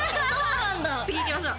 次いきましょう。